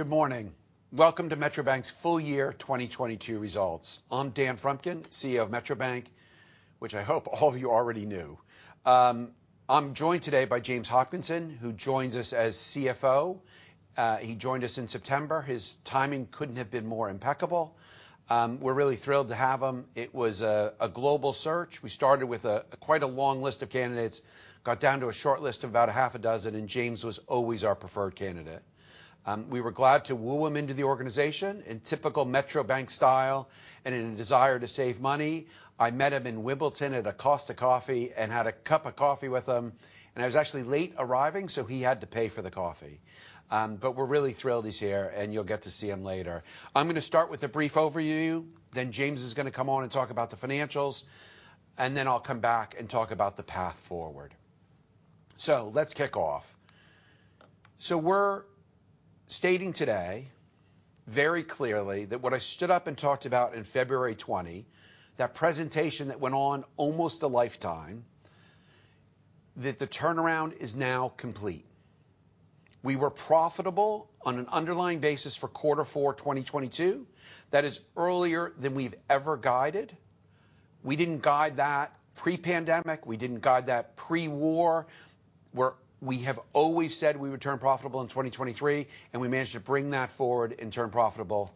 Good morning. Welcome to Metro Bank's full year 2022 results. I'm Dan Frumkin, CEO of Metro Bank, which I hope all of you already knew. I'm joined today by James Hopkinson, who joins us as CFO. He joined us in September. His timing couldn't have been more impeccable. We're really thrilled to have him. It was a global search. We started with quite a long list of candidates, got down to a shortlist of about a half a dozen, and James was always our preferred candidate. We were glad to woo him into the organization in typical Metro Bank style and in a desire to save money. I met him in Wimbledon at a Costa Coffee and had a cup of coffee with him. I was actually late arriving, so he had to pay for the coffee. We're really thrilled he's here, and you'll get to see him later. I'm gonna start with a brief overview, then James is gonna come on and talk about the financials. Then I'll come back and talk about the path forward. Let's kick off. We're stating today very clearly that what I stood up and talked about in February 20, that presentation that went on almost a lifetime, that the turnaround is now complete. We were profitable on an underlying basis for Q4 2022. That is earlier than we've ever guided. We didn't guide that pre-pandemic. We didn't guide that pre-war, where we have always said we would turn profitable in 2023, and we managed to bring that forward and turn profitable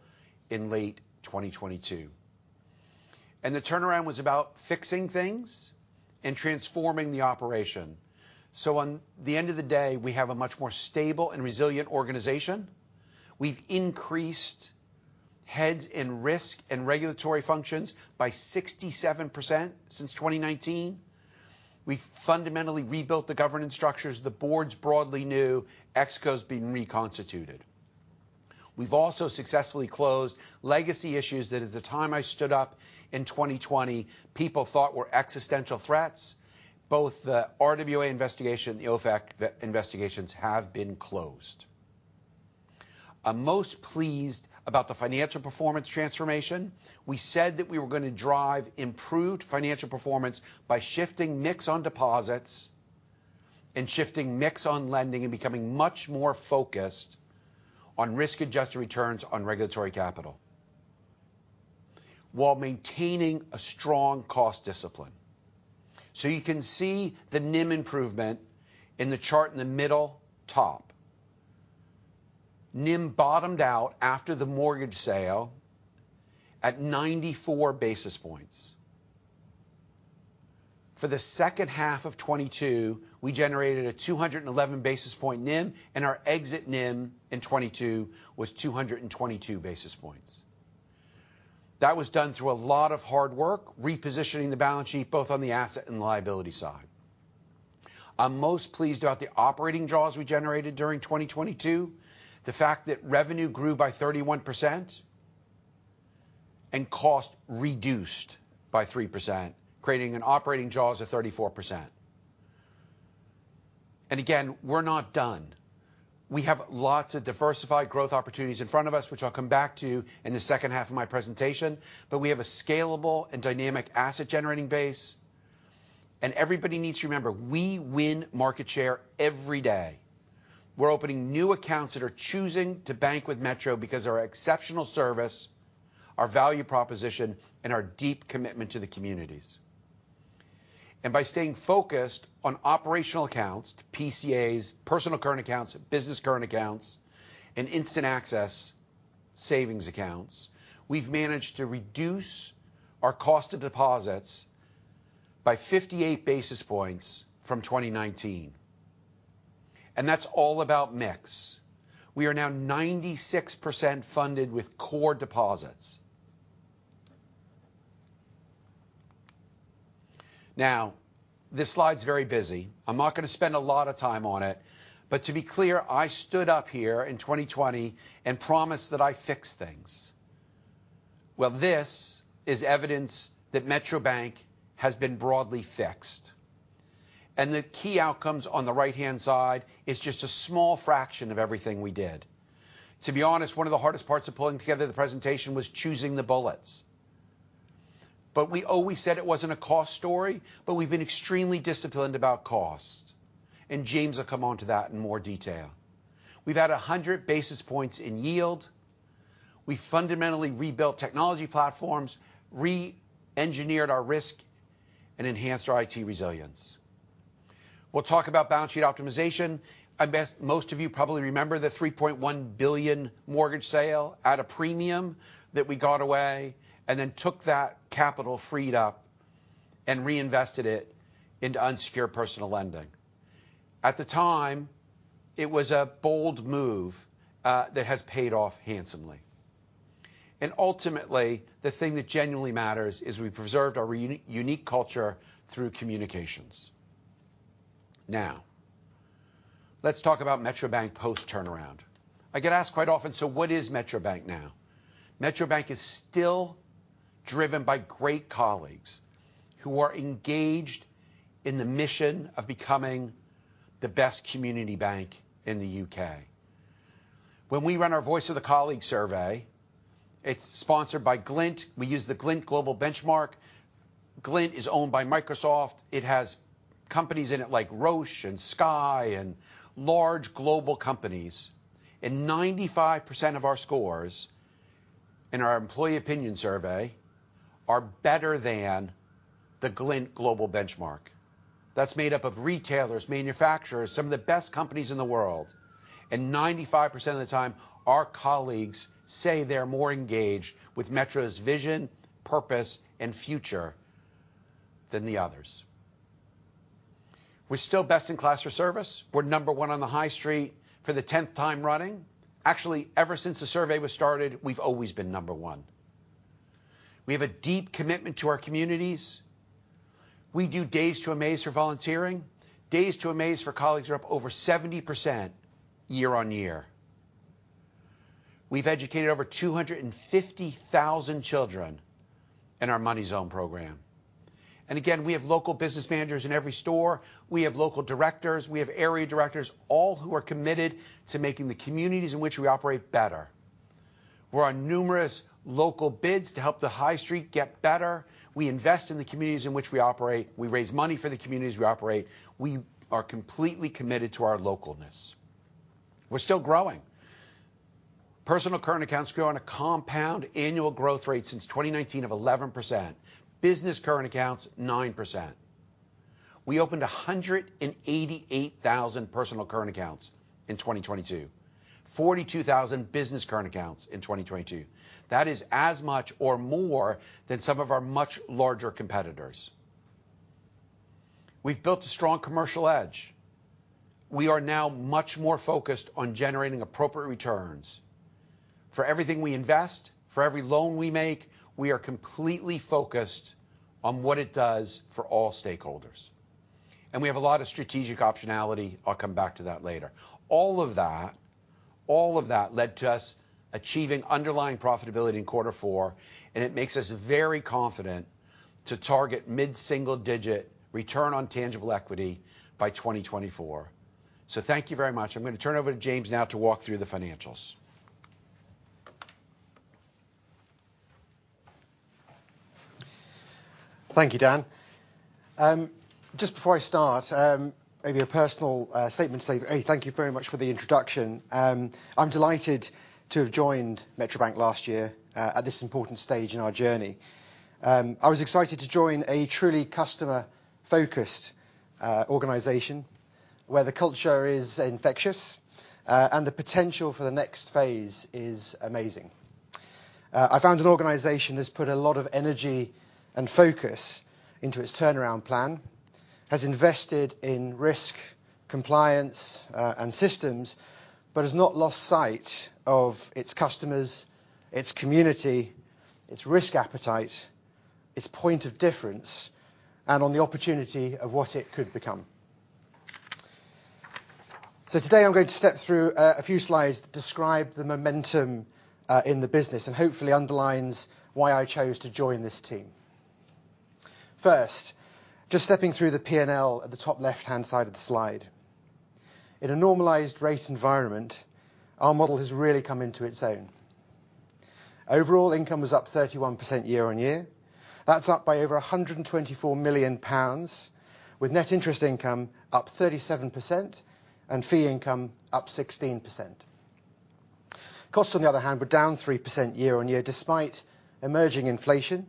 in late 2022. The turnaround was about fixing things and transforming the operation. On the end of the day, we have a much more stable and resilient organization. We've increased heads in risk and regulatory functions by 67% since 2019. We fundamentally rebuilt the governance structures. The board's broadly new ExCo's been reconstituted. We've also successfully closed legacy issues that at the time I stood up in 2020, people thought were existential threats. Both the RWA investigation and the OFAC investigations have been closed. I'm most pleased about the financial performance transformation. We said that we were gonna drive improved financial performance by shifting mix on deposits and shifting mix on lending, and becoming much more focused on risk-adjusted returns on regulatory capital while maintaining a strong cost discipline. You can see the NIM improvement in the chart in the middle top. NIM bottomed out after the mortgage sale at 94 basis points. For the H2 of 2022, we generated a 211 basis point NIM, and our exit NIM in 2022 was 222 basis points. That was done through a lot of hard work repositioning the balance sheet, both on the asset and liability side. I'm most pleased about the operating jaws we generated during 2022. The fact that revenue grew by 31% and cost reduced by 3%, creating an operating jaws of 34%. Again, we're not done. We have lots of diversified growth opportunities in front of us, which I'll come back to in the H2 of my presentation. We have a scalable and dynamic asset-generating base. Everybody needs to remember, we win market share every day. We're opening new accounts that are choosing to bank with Metro Bank because our exceptional service, our value proposition, and our deep commitment to the communities. By staying focused on operational accounts, PCAs, personal current accounts, Business Current Accounts, and instant access savings accounts, we've managed to reduce our cost of deposits by 58 basis points from 2019. That's all about mix. We are now 96% funded with core deposits. Now, this slide's very busy. I'm not gonna spend a lot of time on it. To be clear, I stood up here in 2020 and promised that I'd fix things. Well, this is evidence that Metro Bank has been broadly fixed. The key outcomes on the right-hand side is just a small fraction of everything we did. To be honest, one of the hardest parts of pulling together the presentation was choosing the bullets. We always said it wasn't a cost story, but we've been extremely disciplined about cost. James will come on to that in more detail. We've had 100 basis points in yield. We fundamentally rebuilt technology platforms, reengineered our risk, and enhanced our IT resilience. We'll talk about balance sheet optimization. I bet most of you probably remember the 3.1 billion mortgage sale at a premium that we got away, and then took that capital freed up and reinvested it into unsecured personal lending. At the time, it was a bold move that has paid off handsomely. Ultimately, the thing that genuinely matters is we preserved our unique culture through communications. Let's talk about Metro Bank post-turnaround. I get asked quite often, "What is Metro Bank now?" Metro Bank is still driven by great colleagues who are engaged in the mission of becoming the best community bank in the U.K.. When we run our Voice of the Colleague survey. It's sponsored by Glint. We use the Glint global benchmark. Glint is owned by Microsoft. It has companies in it like Roche and Sky and large global companies. 95% of our scores in our employee opinion survey are better than the Glint global benchmar. That's made up of retailers, manufacturers, some of the best companies in the world. 95% of the time, our colleagues say they're more engaged with Metro's vision, purpose, and future than the others. We're still best in class for service. We're number one on the high street for the tenth time running. Actually, ever since the survey was started, we've always been number one. We have a deep commitment to our communities. We do Days to Amaze for volunteering. Days to Amaze for colleagues are up over 70% year-on-year. We've educated over 250,000 children in our Money Zone program. Again, we have local business managers in every store. We have local directors, we have area directors, all who are committed to making the communities in which we operate better. We're on numerous local bids to help the high street get better. We invest in the communities in which we operate. We raise money for the communities we operate. We are completely committed to our localness. We're still growing. Personal Current Accounts grow on a compound annual growth rate since 2019 of 11%. Business Current Accounts, 9%. We opened 188,000 personal current accounts in 2022. 42,000 business current accounts in 2022. That is as much or more than some of our much larger competitors. We've built a strong commercial edge. We are now much more focused on generating appropriate returns. For everything we invest, for every loan we make, we are completely focused on what it does for all stakeholders. We have a lot of strategic optionality. I'll come back to that later. All of that led to us achieving underlying profitability in quarter four, and it makes us very confident to target mid-single digit return on tangible equity by 2024. Thank you very much. I'm gonna turn over to James now to walk through the financials. Thank you, Dan. just before I start, maybe a personal statement to say, a, thank you very much for the introduction. I'm delighted to have joined Metro Bank last year, at this important stage in our journey. I was excited to join a truly customer-focused organization where the culture is infectious, and the potential for the next phase is amazing. I found an organization that's put a lot of energy and focus into its turnaround plan, has invested in risk, compliance, and systems, but has not lost sight of its customers, its community, its risk appetite, its point of difference, and on the opportunity of what it could become. Today I'm going to step through a few slides that describe the momentum in the business and hopefully underlines why I chose to join this team. First, just stepping through the P&L at the top left-hand side of the slide. In a normalized rate environment, our model has really come into its own. Overall income was up 31% year-on-year. That's up by over 124 million pounds, with net interest income up 37% and fee income up 16%. Costs on the other hand, were down 3% year-on-year despite emerging inflation,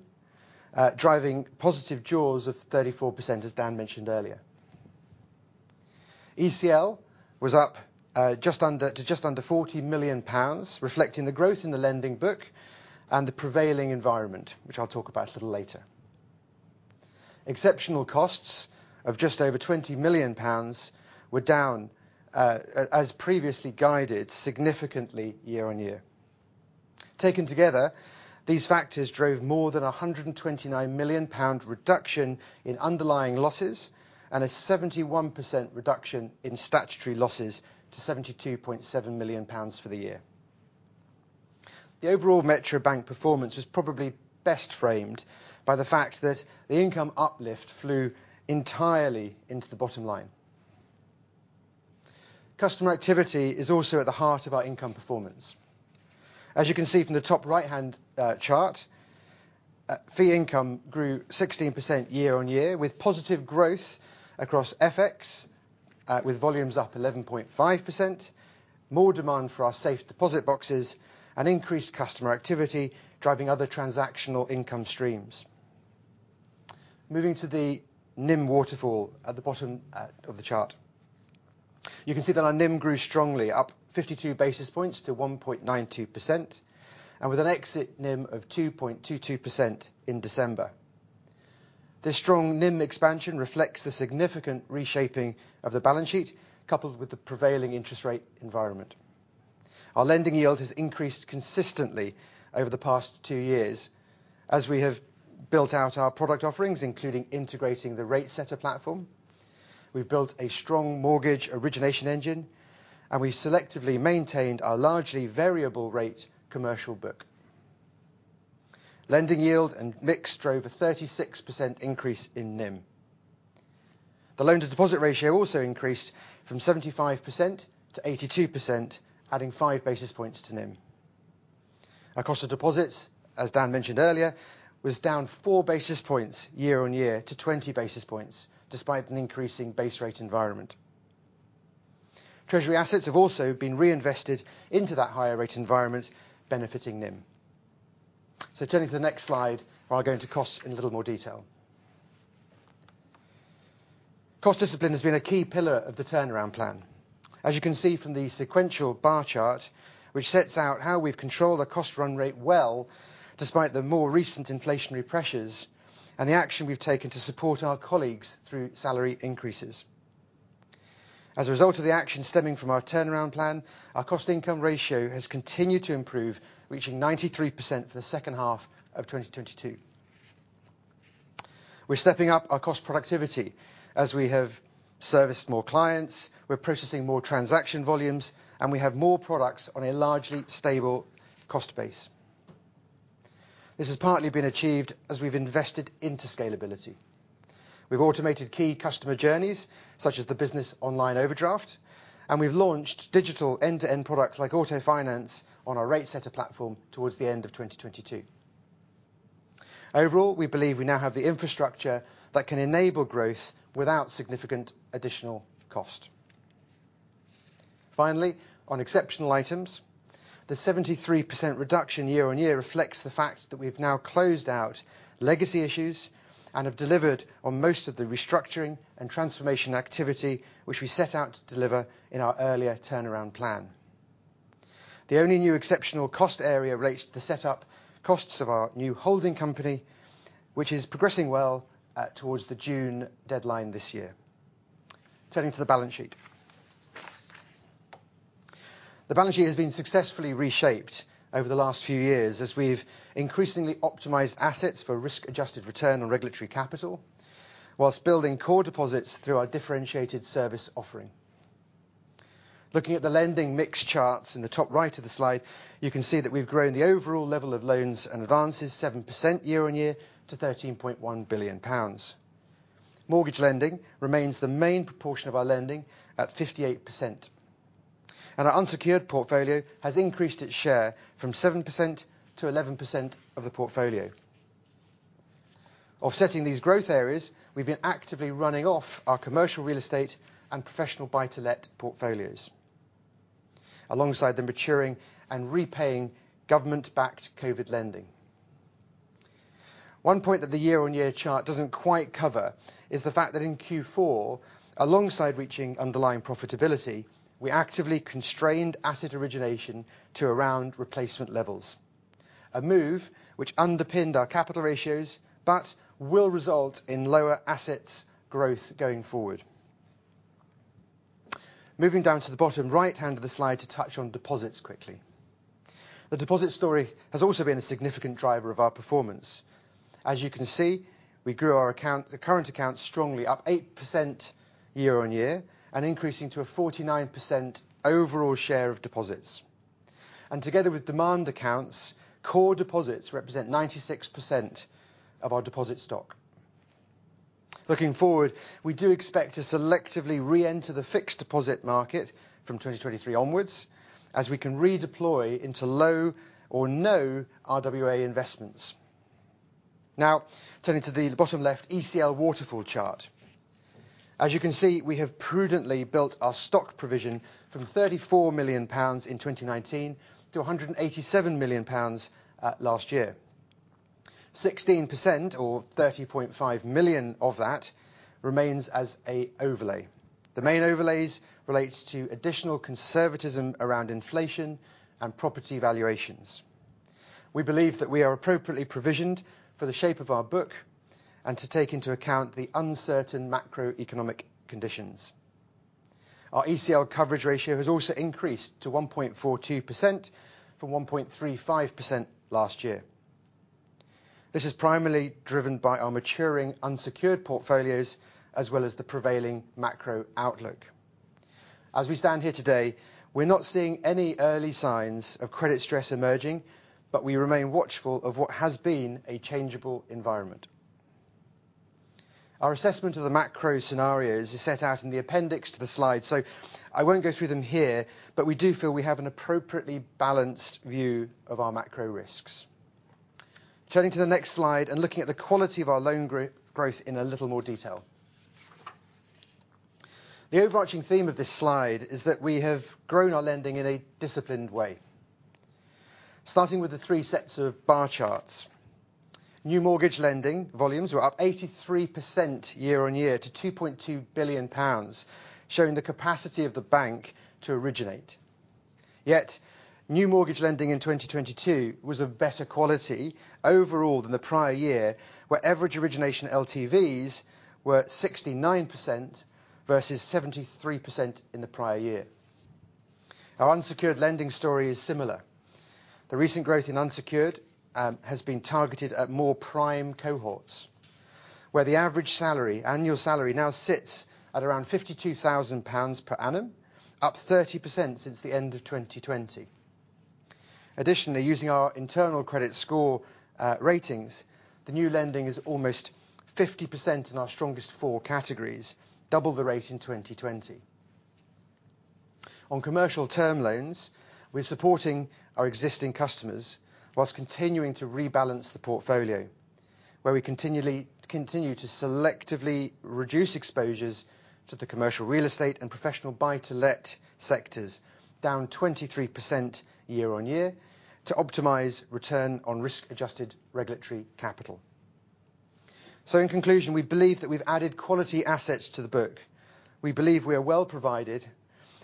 driving positive jaws of 34%, as Dan mentioned earlier. ECL was up to just under 40 million pounds, reflecting the growth in the lending book and the prevailing environment, which I'll talk about a little later. Exceptional costs of just over 20 million pounds were down, as previously guided, significantly year-on-year. Taken together, these factors drove more than a 129 million pound reduction in underlying losses and a 71% reduction in statutory losses to 72.7 million pounds for the year. The overall Metro Bank performance was probably best framed by the fact that the income uplift flew entirely into the bottom line. Customer activity is also at the heart of our income performance. As you can see from the top right-hand chart, fee income grew 16% year-on-year with positive growth across FX, with volumes up 11.5%, more demand for our safe deposit boxes, and increased customer activity driving other transactional income streams. Moving to the NIM waterfall at the bottom of the chart. You can see that our NIM grew strongly up 52 basis points to 1.92%, and with an exit NIM of 2.22% in December. This strong NIM expansion reflects the significant reshaping of the balance sheet, coupled with the prevailing interest rate environment. Our lending yield has increased consistently over the past two years as we have built out our product offerings, including integrating the RateSetter platform. We've built a strong mortgage origination engine, we selectively maintained our largely variable rate commercial book. Lending yield and mix drove a 36% increase in NIM. The loan to deposit ratio also increased from 75% to 82%, adding 5 basis points to NIM. Our cost of deposits, as Dan mentioned earlier, was down 4 basis points year-on-year to 20 basis points despite an increasing base rate environment. Treasury assets have also been reinvested into that higher rate environment, benefiting NIM. Turning to the next slide, where I'll go into costs in a little more detail. Cost discipline has been a key pillar of the turnaround plan. As you can see from the sequential bar chart, which sets out how we've controlled the cost run rate well despite the more recent inflationary pressures and the action we've taken to support our colleagues through salary increases. As a result of the action stemming from our turnaround plan, our cost income ratio has continued to improve, reaching 93% for the H2 of 2022. We're stepping up our cost productivity as we have serviced more clients, we're processing more transaction volumes, and we have more products on a largely stable cost base. This has partly been achieved as we've invested into scalability. We've automated key customer journeys, such as the business online overdraft, and we've launched digital end-to-end products like auto finance on our RateSetter platform towards the end of 2022. Overall, we believe we now have the infrastructure that can enable growth without significant additional cost. Finally, on exceptional items, the 73% reduction year-over-year reflects the fact that we've now closed out legacy issues and have delivered on most of the restructuring and transformation activity which we set out to deliver in our earlier turnaround plan. The only new exceptional cost area relates to the setup costs of our new holding company, which is progressing well towards the June deadline this year. Turning to the balance sheet. The balance sheet has been successfully reshaped over the last few years as we've increasingly optimized assets for risk-adjusted return on regulatory capital, while building core deposits through our differentiated service offering. Looking at the lending mix charts in the top right of the slide, you can see that we've grown the overall level of loans and advances 7% year-on-year to 13.1 billion pounds. Mortgage lending remains the main proportion of our lending at 58%. Our unsecured portfolio has increased its share from 7%-11% of the portfolio. Offsetting these growth areas, we've been actively running off our commercial real estate and professional buy-to-let portfolios, alongside the maturing and repaying government-backed COVID lending. One point that the year-over-year chart doesn't quite cover is the fact that in Q4, alongside reaching underlying profitability, we actively constrained asset origination to around replacement levels. A move which underpinned our capital ratios, but will result in lower assets growth going forward. Moving down to the bottom right-hand of the slide to touch on deposits quickly. The deposit story has also been a significant driver of our performance. As you can see, we grew our account, current account strongly up 8% year-over-year and increasing to a 49% overall share of deposits. Together with demand accounts, core deposits represent 96% of our deposit stock. Looking forward, we do expect to selectively reenter the fixed deposit market from 2023 onwards, as we can redeploy into low or no RWA investments. Now, turning to the bottom left ECL waterfall chart. As you can see, we have prudently built our stock provision from 34 million pounds in 2019 to 187 million pounds last year. 16% or 30.5 million of that remains as a overlay. The main overlays relates to additional conservatism around inflation and property valuations. We believe that we are appropriately provisioned for the shape of our book and to take into account the uncertain macroeconomic conditions. Our ECL coverage ratio has also increased to 1.42% from 1.35% last year. This is primarily driven by our maturing unsecured portfolios as well as the prevailing macro outlook. As we stand here today, we're not seeing any early signs of credit stress emerging, but we remain watchful of what has been a changeable environment. Our assessment of the macro scenarios is set out in the appendix to the slide, so I won't go through them here, but we do feel we have an appropriately balanced view of our macro risks. Turning to the next slide and looking at the quality of our loan growth in a little more detail. The overarching theme of this slide is that we have grown our lending in a disciplined way. Starting with the three sets of bar charts. New mortgage lending volumes were up 83% year-over-year to 2.2 billion pounds, showing the capacity of the bank to originate. New mortgage lending in 2022 was of better quality overall than the prior year, where average origination LTVs were 69% versus 73% in the prior year. Our unsecured lending story is similar. The recent growth in unsecured has been targeted at more prime cohorts, where the average salary, annual salary now sits at around 52,000 pounds per annum, up 30% since the end of 2020. Additionally, using our internal credit score ratings, the new lending is almost 50% in our strongest four categories, double the rate in 2020. On commercial term loans, we're supporting our existing customers whilst continue to selectively reduce exposures to the commercial real estate and professional buy-to-let sectors, down 23% year-on-year to optimize return on risk-adjusted regulatory capital. In conclusion, we believe that we've added quality assets to the book. We believe we are well provided,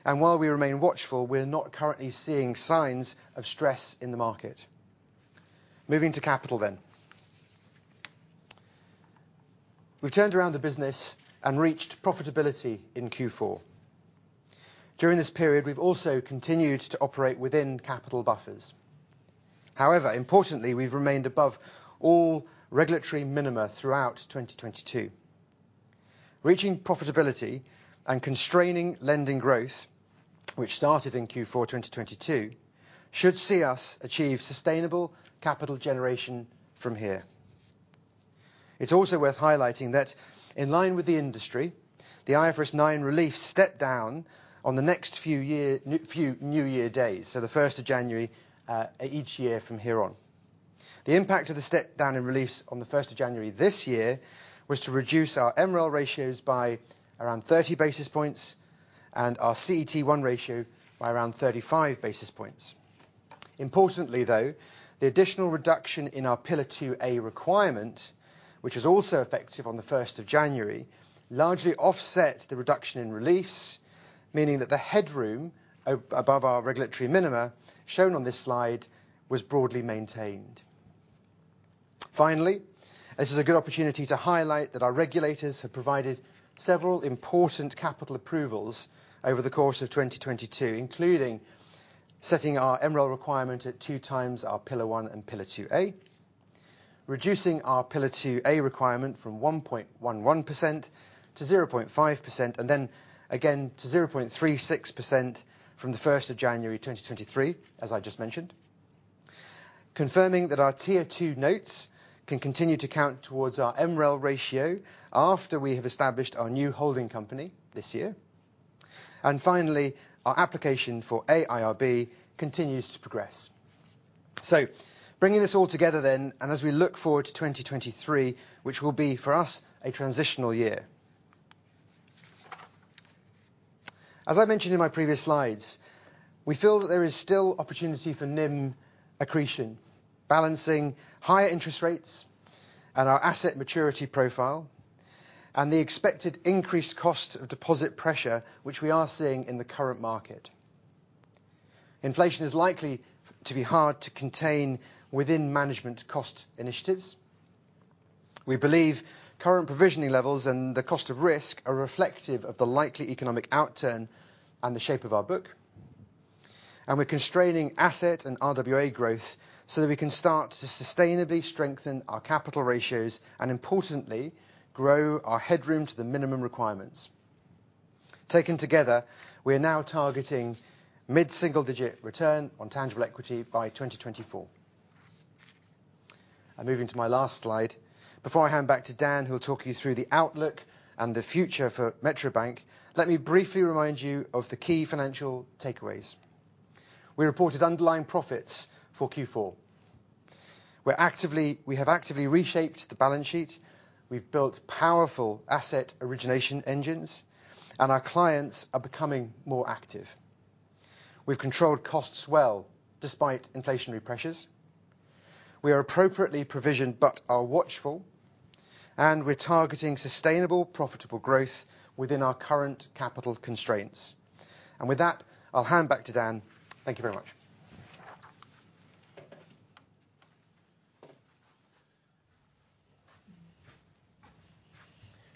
and while we remain watchful, we're not currently seeing signs of stress in the market. Moving to capital then. We've turned around the business and reached profitability in Q4. During this period, we've also continued to operate within capital buffers. However, importantly, we've remained above all regulatory minima throughout 2022. Reaching profitability and constraining lending growth, which started in Q4 2022, should see us achieve sustainable capital generation from here. It's also worth highlighting that in line with the industry, the IFRS 9 relief stepped down on the next few year, few New year days, so the first of January, each year from here on. The impact of the step down in release on the first of January this year was to reduce our MREL ratios by around 30 basis points and our CET1 ratio by around 35 basis points. Importantly, though, the additional reduction in our Pillar 2A requirement, which is also effective on January 1, largely offset the reduction in reliefs, meaning that the headroom above our regulatory minima shown on this slide was broadly maintained. This is a good opportunity to highlight that our regulators have provided several important capital approvals over the course of 2022, including setting our MREL requirement at 2x our Pillar 1 and Pillar 2A, reducing our Pillar 2A requirement from 1.11% to 0.5%, and then again to 0.36% from January 1st, 2023, as I just mentioned. Confirming that our Tier 2 notes can continue to count towards our MREL ratio after we have established our new holding company this year. Finally, our application for A-IRB continues to progress. Bringing this all together then, and as we look forward to 2023, which will be for us a transitional year. As I mentioned in my previous slides, we feel that there is still opportunity for NIM accretion, balancing higher interest rates and our asset maturity profile and the expected increased cost of deposit pressure, which we are seeing in the current market. Inflation is likely to be hard to contain within management cost initiatives. We believe current provisioning levels and the cost of risk are reflective of the likely economic outturn and the shape of our book. We're constraining asset and RWA growth so that we can start to sustainably strengthen our capital ratios and importantly, grow our headroom to the minimum requirements. Taken together, we are now targeting mid-single digit return on tangible equity by 2024. I'm moving to my last slide. Before I hand back to Dan, who will talk you through the outlook and the future for Metro Bank, let me briefly remind you of the key financial takeaways. We reported underlying profits for Q4. We have actively reshaped the balance sheet. We've built powerful asset origination engines, and our clients are becoming more active. We've controlled costs well despite inflationary pressures. We are appropriately provisioned but are watchful, and we're targeting sustainable, profitable growth within our current capital constraints. With that, I'll hand back to Dan. Thank you very much.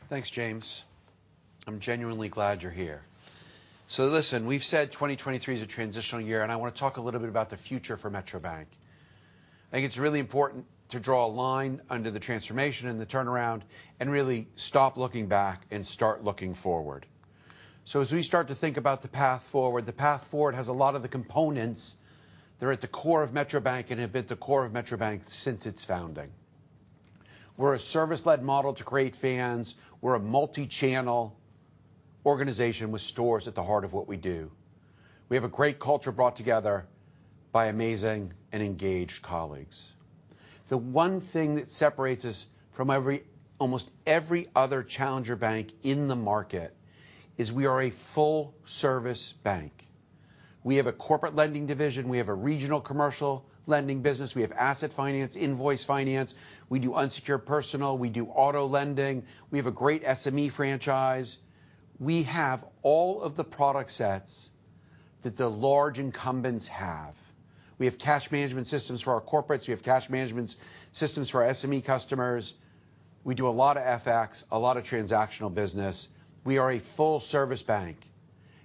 Thanks, James. I'm genuinely glad you're here. Listen, we've said 2023 is a transitional year, and I wanna talk a little bit about the future for Metro Bank. I think it's really important to draw a line under the transformation and the turnaround and really stop looking back and start looking forward. As we start to think about the path forward, the path forward has a lot of the components that are at the core of Metro Bank and have been at the core of Metro Bank since its founding. We're a service-led model to create fans. We're a multi-channel organization with stores at the heart of what we do. We have a great culture brought together by amazing and engaged colleagues. The one thing that separates us from every, almost every other challenger bank in the market is we are a full-service bank. We have a corporate lending division. We have a regional commercial lending business. We have asset finance, invoice finance. We do unsecured personal. We do auto lending. We have a great SME franchise. We have all of the product sets that the large incumbents have. We have cash management systems for our corporates. We have cash management systems for our SME customers. We do a lot of FX, a lot of transactional business. We are a full-service bank.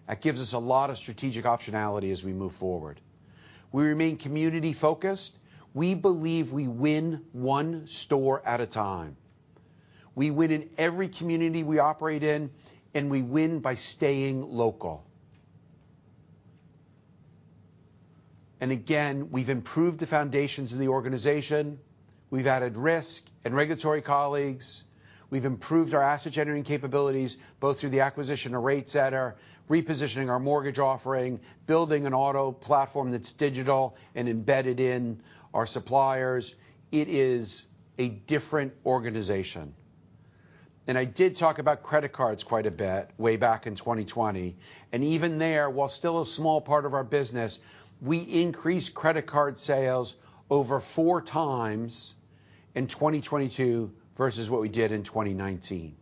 That gives us a lot of strategic optionality as we move forward. We remain community-focused. We believe we win one store at a time. We win in every community we operate in, and we win by staying local. Again, we've improved the foundations of the organization. We've added risk and regulatory colleagues. We've improved our asset-generating capabilities, both through the acquisition of RateSetter, repositioning our mortgage offering, building an auto platform that's digital and embedded in our suppliers. It is a different organization. I did talk about credit cards quite a bit way back in 2020. Even there, while still a small part of our business, we increased credit card sales over 4x in 2022 versus what we did in 2019.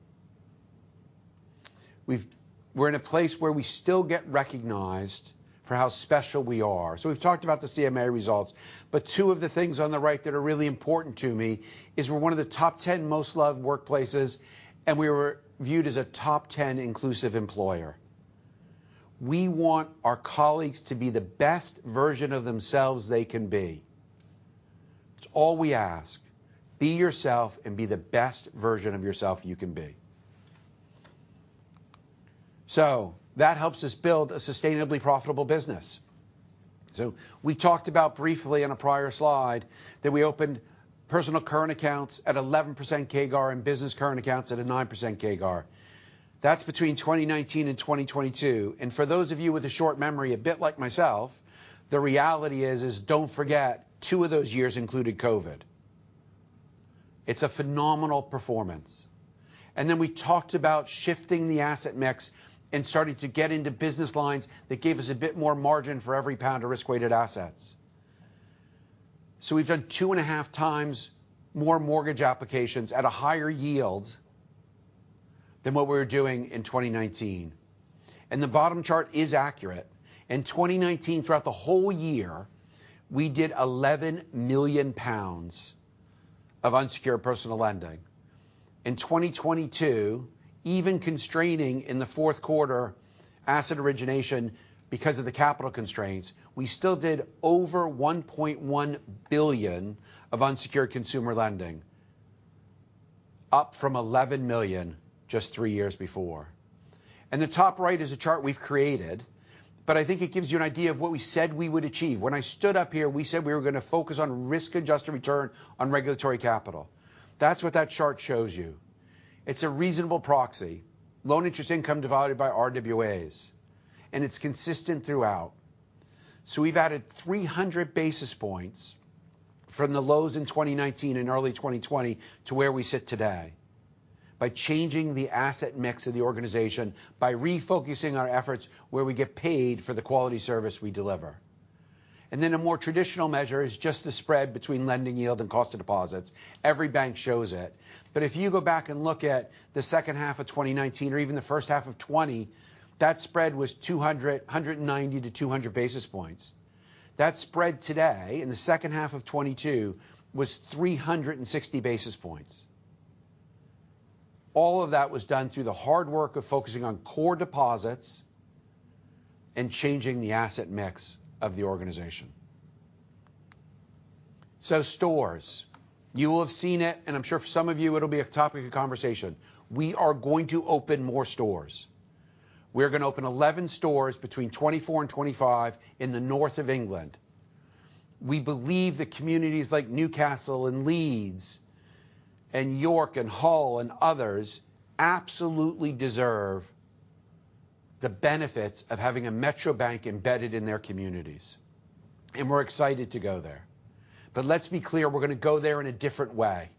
We're in a place where we still get recognized for how special we are. We've talked about the CMA results, but two of the things on the right that are really important to me is we're one of the top 10 most loved workplaces, and we were viewed as a top 10 inclusive employer. We want our colleagues to be the best version of themselves they can be. It's all we ask. Be yourself and be the best version of yourself you can be. That helps us build a sustainably profitable business. We talked about briefly in a prior slide that we opened Personal Current Accounts at 11% CAGR and Business Current Accounts at a 9% CAGR. That's between 2019 and 2022. For those of you with a short memory, a bit like myself, the reality is, don't forget two of those years included COVID. It's a phenomenal performance. Then we talked about shifting the asset mix and starting to get into business lines that gave us a bit more margin for every pound of risk-weighted assets. We've done 2.5x more mortgage applications at a higher yield than what we were doing in 2019. The bottom chart is accurate. In 2019, throughout the whole year, we did 11 million pounds of unsecured personal lending. In 2022, even constraining in the Q4 asset origination because of the capital constraints, we still did over 1.1 billion of unsecured consumer lending, up from 11 million just three years before. The top right is a chart we've created, but I think it gives you an idea of what we said we would achieve. When I stood up here, we said we were going to focus on risk-adjusted return on regulatory capital. That's what that chart shows you. It's a reasonable proxy, loan interest income divided by RWAs, and it's consistent throughout. We've added 300 basis points from the lows in 2019 and early 2020 to where we sit today by changing the asset mix of the organization, by refocusing our efforts where we get paid for the quality service we deliver. A more traditional measure is just the spread between lending yield and cost of deposits. Every bank shows it. If you go back and look at the H2 of 2019 or even the H1 of 2020, that spread was 190-200 basis points. That spread today in the H2 of 2022 was 360 basis points. All of that was done through the hard work of focusing on core deposits and changing the asset mix of the organization. Stores. You will have seen it. I'm sure for some of you it'll be a topic of conversation. We are going to open more stores. We're going to open 11 stores between 2024 and 2025 in the north of England. We believe that communities like Newcastle and Leeds and York and Hull and others absolutely deserve the benefits of having a Metro Bank embedded in their communities, and we're excited to go there. Let's be clear, we're going to go there in a different way.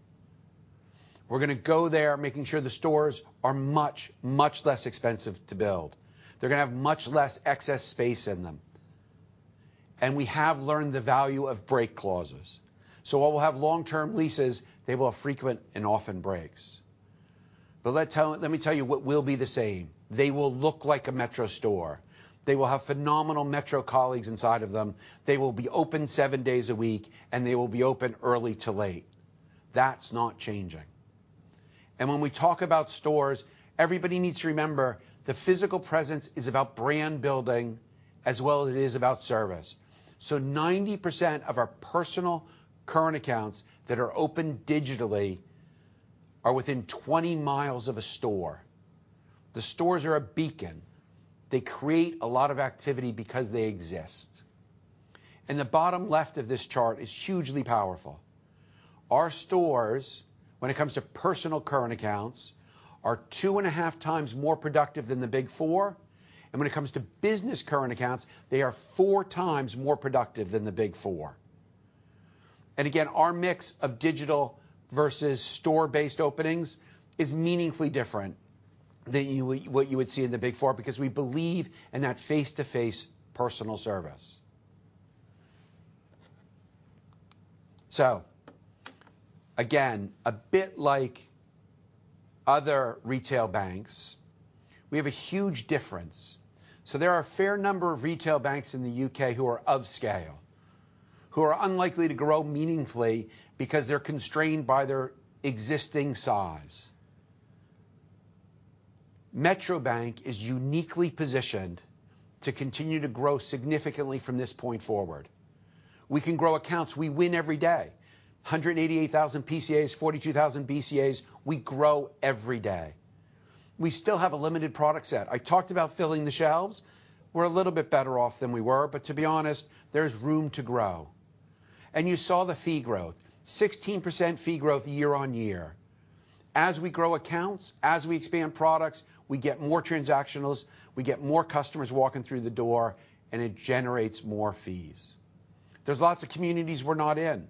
We're going to go there making sure the stores are much, much less expensive to build. They're going to have much less excess space in them. We have learned the value of break clauses. While we'll have long-term leases, they will have frequent and often breaks. Let me tell you what will be the same. They will look like a Metro store. They will have phenomenal Metro colleagues inside of them. They will be open seven days a week, and they will be open early to late. That's not changing. When we talk about stores, everybody needs to remember the physical presence is about brand building as well as it is about service. 90% of our personal current accounts that are opened digitally are within 20 miles of a store. The stores are a beacon. They create a lot of activity because they exist. The bottom left of this chart is hugely powerful. Our stores, when it comes to personal current accounts, are 2.5x more productive than the Big Four. When it comes to business current accounts, they are 4x more productive than the Big Four. Again, our mix of digital versus store-based openings is meaningfully different than what you would see in the Big Four because we believe in that face-to-face personal service. Again, a bit like other retail banks, we have a huge difference. There are a fair number of retail banks in the U.K. who are of scale, who are unlikely to grow meaningfully because they're constrained by their existing size. Metro Bank is uniquely positioned to continue to grow significantly from this point forward. We can grow accounts. We win every day. 188,000 PCAs, 42,000 BCAs. We grow every day. We still have a limited product set. I talked about filling the shelves. We're a little bit better off than we were, but to be honest, there's room to grow. You saw the fee growth. 16% fee growth year-over-year. As we grow accounts, as we expand products, we get more transactionals, we get more customers walking through the door, and it generates more fees. There's lots of communities we're not in.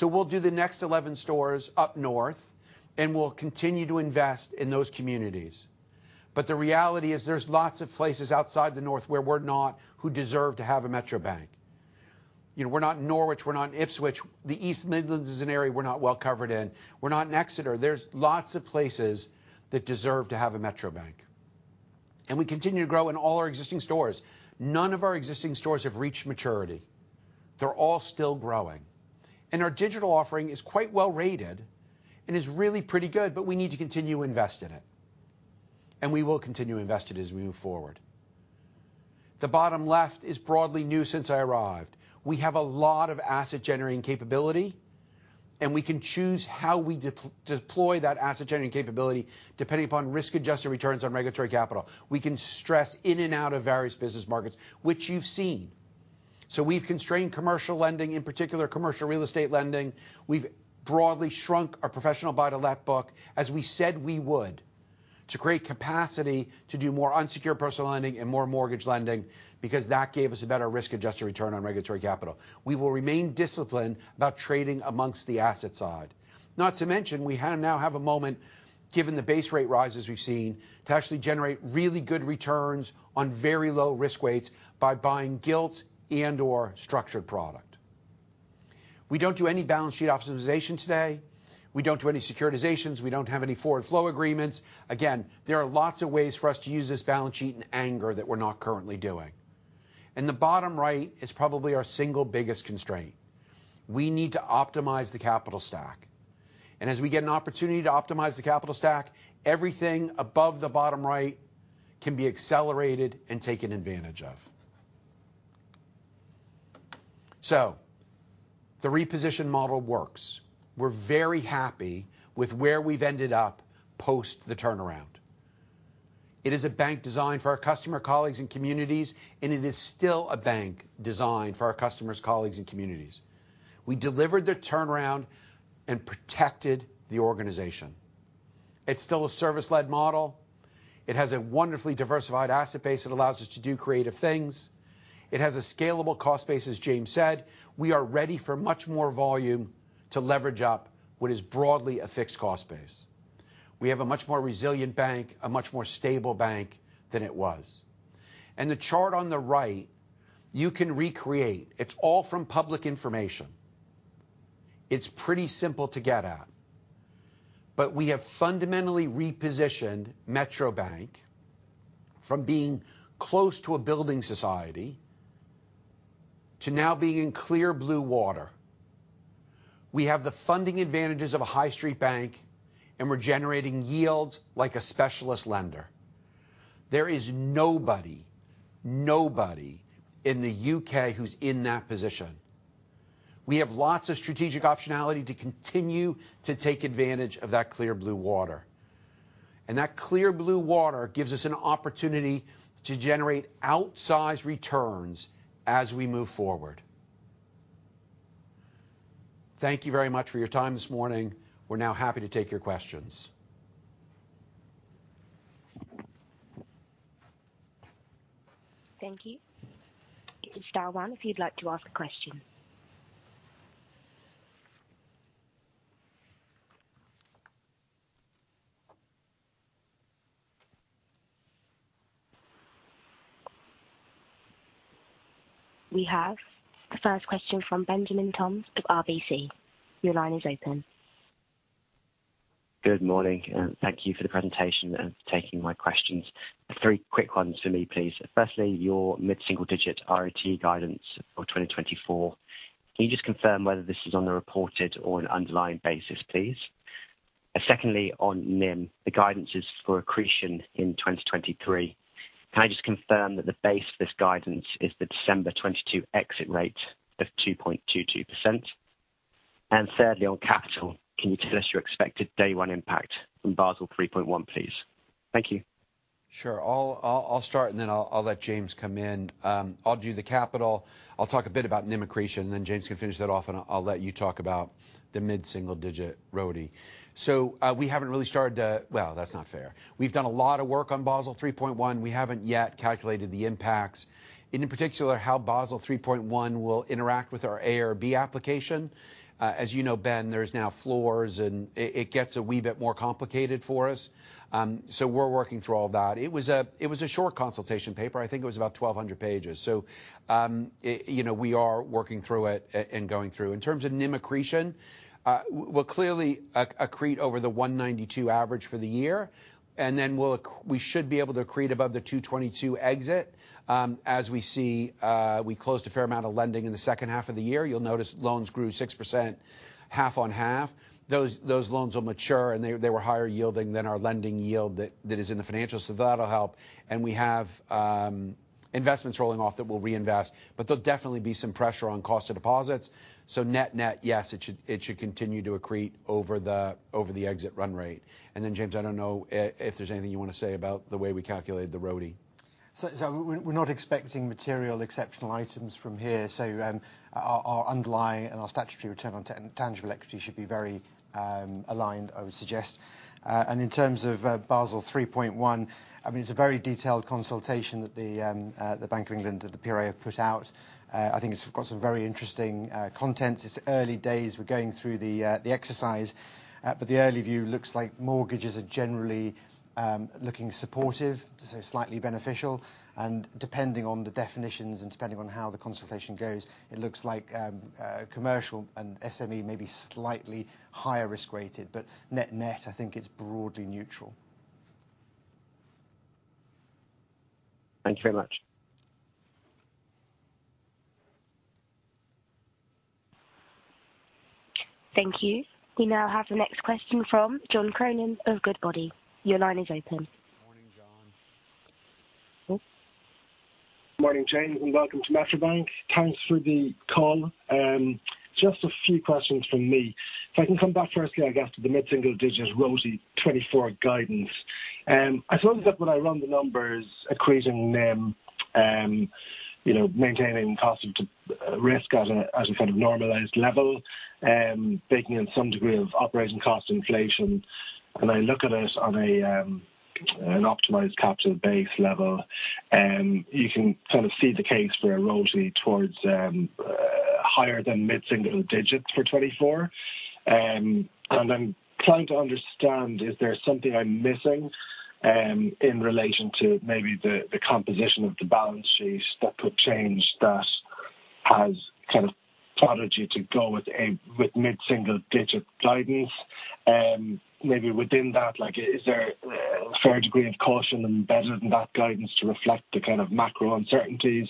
We'll do the next 11 stores up north, and we'll continue to invest in those communities. The reality is there's lots of places outside the north where we're not, who deserve to have a Metro Bank. You know, we're not in Norwich, we're not in Ipswich. The East Midlands is an area we're not well covered in. We're not in Exeter. There's lots of places that deserve to have a Metro Bank. We continue to grow in all our existing stores. None of our existing stores have reached maturity. They're all still growing. Our digital offering is quite well rated and is really pretty good, but we need to continue to invest in it. We will continue to invest it as we move forward. The bottom left is broadly new since I arrived. We have a lot of asset-generating capability, and we can choose how we deploy that asset-generating capability depending upon risk-adjusted returns on regulatory capital. We can stress in and out of various business markets, which you've seen. We've constrained commercial lending, in particular commercial real estate lending. We've broadly shrunk our professional buy-to-let book, as we said we would, to create capacity to do more unsecured personal lending and more mortgage lending because that gave us a better risk-adjusted return on regulatory capital. We will remain disciplined about trading amongst the asset side. Not to mention, we now have a moment, given the base rate rises we've seen, to actually generate really good returns on very low risk weights by buying gilt and/or structured product. We don't do any balance sheet optimization today. We don't do any securitizations. We don't have any forward flow agreements. There are lots of ways for us to use this balance sheet and anger that we're not currently doing. The bottom right is probably our single biggest constraint. We need to optimize the capital stack. As we get an opportunity to optimize the capital stack, everything above the bottom right can be accelerated and taken advantage of. The reposition model works. We're very happy with where we've ended up post the turnaround. It is a bank designed for our customer, colleagues, and communities, and it is still a bank designed for our customers, colleagues, and communities. We delivered the turnaround and protected the organization. It's still a service-led model. It has a wonderfully diversified asset base that allows us to do creative things. It has a scalable cost base, as James said. We are ready for much more volume to leverage up what is broadly a fixed cost base. We have a much more resilient bank, a much more stable bank than it was. The chart on the right, you can recreate. It's all from public information. It's pretty simple to get at. We have fundamentally repositioned Metro Bank from being close to a building society to now being in clear blue water. We have the funding advantages of a high street bank, and we're generating yields like a specialist lender. There is nobody in the U.K. who's in that position. We have lots of strategic optionality to continue to take advantage of that clear blue water. That clear blue water gives us an opportunity to generate outsized returns as we move forward. Thank you very much for your time this morning. We're now happy to take your questions. Thank you. You can star one if you'd like to ask a question. We have the first question from Benjamin Toms of RBC. Your line is open. Good morning, thank you for the presentation and for taking my questions. Three quick ones for me, please. Firstly, your mid-single digit RoTE guidance for 2024. Can you just confirm whether this is on a reported or an underlying basis, please? Secondly, on NIM, the guidance is for accretion in 2023. Can I just confirm that the base for this guidance is the December 2022 exit rate of 2.22%? Thirdly, on capital, can you tell us your expected day one impact from Basel 3.1, please? Thank you. Sure. I'll start and then I'll let James come in. I'll do the capital. I'll talk a bit about NIM accretion, and then James can finish that off, and I'll let you talk about the mid-single digit RoTE. We haven't really started. Well, that's not fair. We've done a lot of work on Basel 3.1. We haven't yet calculated the impacts. In particular, how Basel 3.1 will interact with our A-IRB application. As you know, Ben, there's now floors, it gets a wee bit more complicated for us. We're working through all that. It was a short consultation paper. I think it was about 1,200 pages. You know, we are working through it and going through. In terms of NIM accretion, we'll clearly accrete over the 192 average for the year. Then we should be able to accrete above the 222 exit, as we see, we closed a fair amount of lending in the H2 of the year. You'll notice loans grew 6%, half on half. Those loans will mature, and they were higher yielding than our lending yield that is in the financials, so that'll help. We have investments rolling off that we'll reinvest. There'll definitely be some pressure on cost of deposits. Net-net, yes, it should continue to accrete over the exit run rate. Then, James, I don't know if there's anything you want to say about the way we calculated the RoTE. We're not expecting material exceptional items from here. Our underlying and our statutory return on tangible equity should be very aligned, I would suggest. In terms of Basel 3.1, I mean, it's a very detailed consultation that the Bank of England and the PRA have put out. I think it's got some very interesting content. It's early days. We're going through the exercise, but the early view looks like mortgages are generally looking supportive, so slightly beneficial. Depending on the definitions and depending on how the consultation goes, it looks like commercial and SME may be slightly higher risk-weighted, but net-net, I think it's broadly neutral. Thank you very much. Thank you. We now have the next question from John Cronin of Goodbody. Your line is open. Morning, John. Morning, James, and welcome to Metro Bank. Thanks for the call. Just a few questions from me. If I can come back firstly, I guess, to the mid-single digit RoTE 2024 guidance. I suppose that when I run the numbers, accreting NIM, you know, maintaining cost of risk at a, as a kind of normalized level, baking in some degree of operating cost inflation, and I look at it on an optimized capital base level, you can kind of see the case for a RoTE towards higher than mid-single digits for 2024. I'm trying to understand, is there something I'm missing in relation to maybe the composition of the balance sheets that could change that has kind of prompted you to go with a mid-single digit guidance? Maybe within that, like, is there a fair degree of caution embedded in that guidance to reflect the kind of macro uncertainties,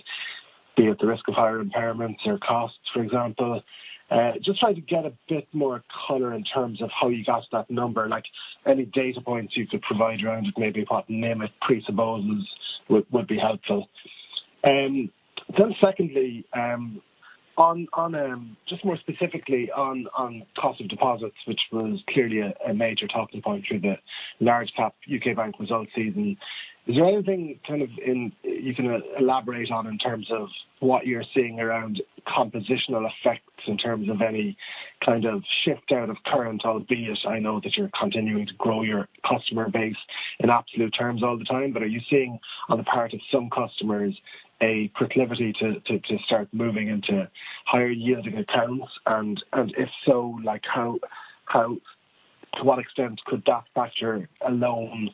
be it the risk of higher impairments or costs, for example? Just trying to get a bit more color in terms of how you got to that number. Like, any data points you could provide around maybe what NIM it presupposes would be helpful. Secondly, on, just more specifically on cost of deposits, which was clearly a major talking point through the large top U.K. bank results season, is there anything kind of in, you can elaborate on in terms of what you're seeing around compositional effects in terms of any kind of shift out of current, albeit I know that you're continuing to grow your customer base in absolute terms all the time, but are you seeing on the part of some customers a proclivity to start moving into higher yielding accounts? If so, like, how to what extent could that factor alone,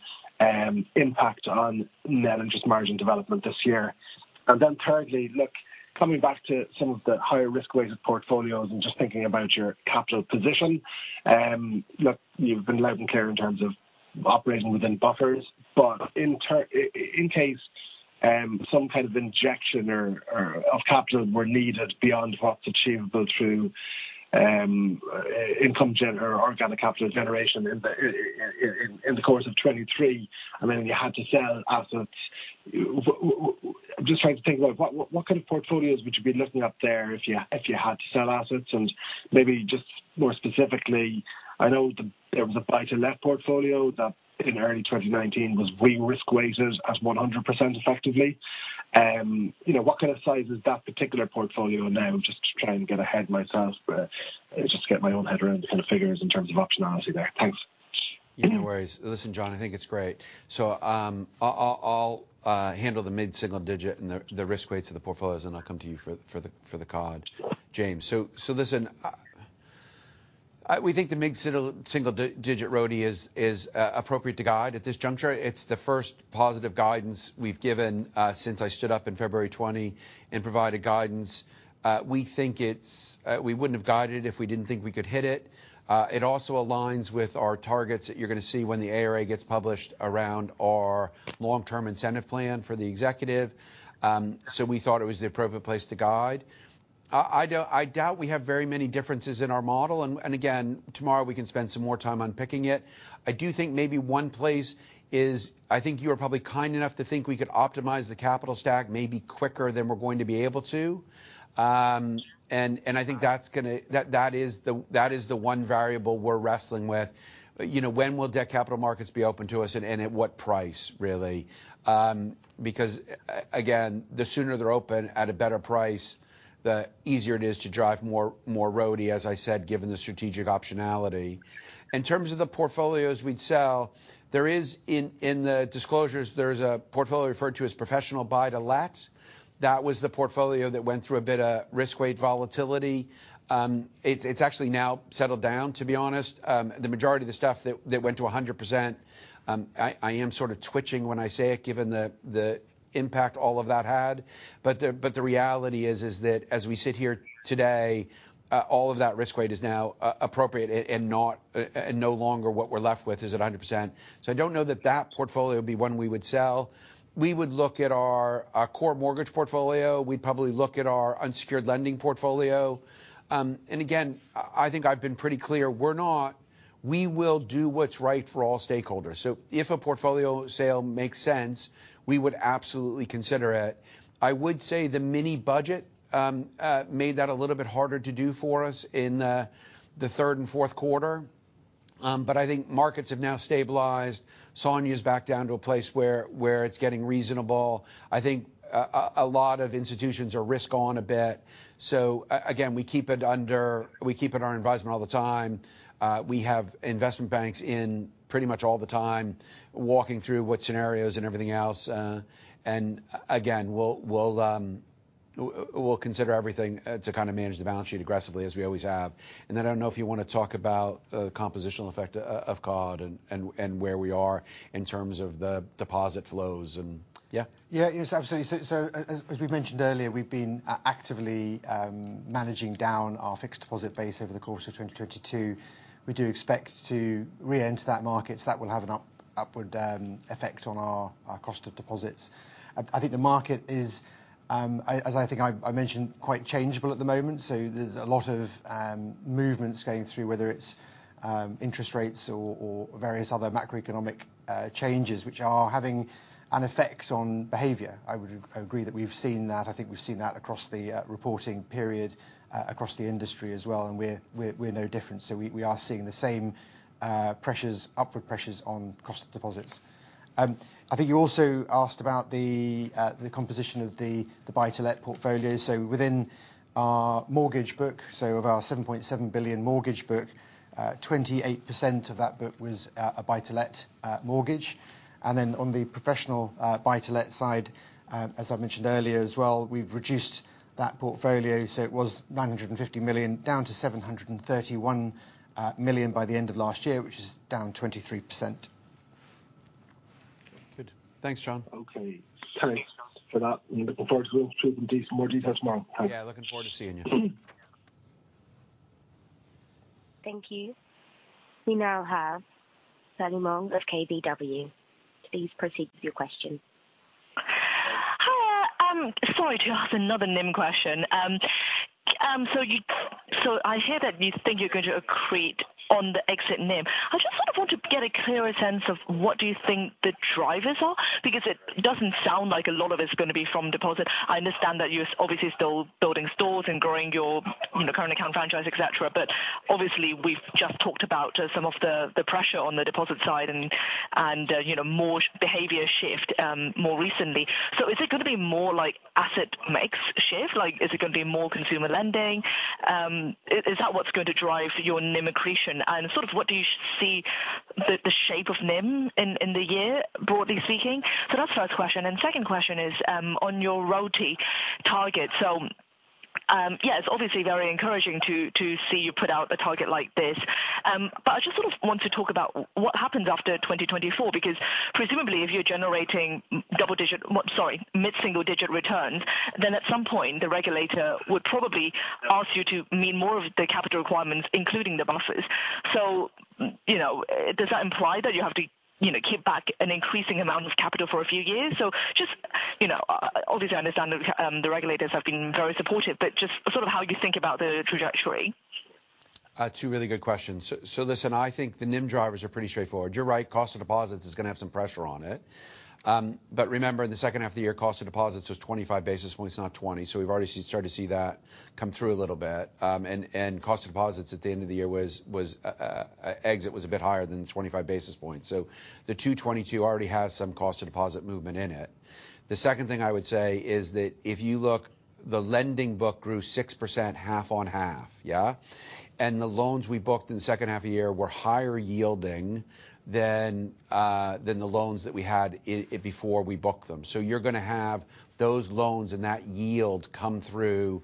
impact on net interest margin development this year? Thirdly, look, coming back to some of the higher risk-weighted portfolios and just thinking about your capital position, look, you've been loud and clear in terms of operating within buffers, but in case some kind of injection or of capital were needed beyond what's achievable through organic capital generation in the course of 2023, I mean, you had to sell assets. I'm just trying to think about what kind of portfolios would you be looking at there if you, if you had to sell assets? Maybe just more specifically, I know there was a buy to let portfolio that in early 2019 was re-risk weighted as 100% effectively. You know, what kind of size is that particular portfolio now? Just trying to get ahead myself, just get my own head around the kind of figures in terms of optionality there. Thanks. Yeah, no worries. Listen, John, I think it's great. I'll handle the mid-single digit and the risk weights of the portfolios, and I'll come to you for the COD. Listen, we think the mid single-digit RoTE is appropriate to guide at this juncture. It's the first positive guidance we've given since I stood up in February 2020 and provided guidance. We think it's. We wouldn't have guided if we didn't think we could hit it. It also aligns with our targets that you're gonna see when the ARA gets published around our long-term incentive plan for the executive. We thought it was the appropriate place to guide. I doubt we have very many differences in our model, and again, tomorrow we can spend some more time unpicking it. I do think maybe one place is I think you are probably kind enough to think we could optimize the capital stack maybe quicker than we're going to be able to. I think that is the one variable we're wrestling with. You know, when will debt capital markets be open to us and at what price really? Again, the sooner they're open at a better price, the easier it is to drive more RoTE, as I said, given the strategic optionality. In terms of the portfolios we'd sell, there is in the disclosures, there's a portfolio referred to as professional buy to lets. That was the portfolio that went through a bit of risk weight volatility. It's actually now settled down, to be honest. The majority of the stuff that went to 100%, I am sort of twitching when I say it, given the impact all of that had. The reality is that as we sit here today, all of that risk weight is now appropriate and not, and no longer what we're left with is at 100%. I don't know that that portfolio would be one we would sell. We would look at our core mortgage portfolio. We'd probably look at our unsecured lending portfolio. Again, I think I've been pretty clear, We will do what's right for all stakeholders. If a portfolio sale makes sense, we would absolutely consider it. I would say the mini-budget made that a little bit harder to do for us in the Q3 and Q4. I think markets have now stabilized. SONIA is back down to a place where it's getting reasonable. I think a lot of institutions are risk on a bit. Again, we keep it in our advisement all the time. We have investment banks in pretty much all the time walking through what scenarios and everything else. Again, we'll consider everything to kind of manage the balance sheet aggressively as we always have. I don't know if you wanna talk about the compositional effect of COD and where we are in terms of the deposit flows. Yeah. Yeah. Yes, absolutely. As we've mentioned earlier, we've been actively managing down our fixed deposit base over the course of 2022. We do expect to re-enter that market, so that will have an upward effect on our cost of deposits. I think the market is, as I think I mentioned, quite changeable at the moment, so there's a lot of movements going through, whether it's interest rates or various other macroeconomic changes which are having an effect on behavior. I would agree that we've seen that. I think we've seen that across the reporting period, across the industry as well, and we're no different. We are seeing the same pressures, upward pressures on cost of deposits. I think you also asked about the composition of the buy-to-let portfolio. Within our mortgage book, so of our 7.7 billion mortgage book, 28% of that book was a buy-to-let mortgage. On the professional buy-to-let side, as I've mentioned earlier as well, we've reduced that portfolio. It was 950 million, down to 731 million by the end of last year, which is down 23%. Good. Thanks, John. Okay. Thanks for that. Looking forward to going through in detail, more detail tomorrow. Yeah, looking forward to seeing you. Thank you. We now have Perlie Mong of KBW. Please proceed with your question. Hi, sorry to ask another NIM question. I hear that you think you're going to accrete on the exit NIM. I just sort of want to get a clearer sense of what do you think the drivers are, because it doesn't sound like a lot of it's gonna be from deposit. I understand that you're obviously still building stores and growing your current account franchise, et cetera, but obviously we've just talked about some of the pressure on the deposit side and, you know, more behavior shift more recently. Is it gonna be more like asset mix shift? Like, is it gonna be more consumer lending? Is that what's going to drive your NIM accretion? Sort of what do you see the shape of NIM in the year, broadly speaking? That's first question. Second question is on your RoTE target. It's obviously very encouraging to see you put out a target like this. I just sort of want to talk about what happens after 2024, because presumably, if you're generating mid-single digit returns, then at some point the regulator would probably ask you to meet more of the capital requirements, including the buffers. You know, does that imply that you have to, you know, keep back an increasing amount of capital for a few years? Just, you know, obviously I understand the regulators have been very supportive, just sort of how you think about the trajectory. Two really good questions. Listen, I think the NIM drivers are pretty straightforward. You're right, cost of deposits is gonna have some pressure on it. Remember in the H2 of the year, cost of deposits was 25 basis points, not 20. We've already started to see that come through a little bit and cost of deposits at the end of the year was exit was a bit higher than 25 basis points. The 2022 already has some cost of deposit movement in it. The second thing I would say is that if you look, the lending book grew 6% half on half. Yeah? The loans we booked in the H2 of the year were higher yielding than the loans that we had before we booked them. You're gonna have those loans and that yield come through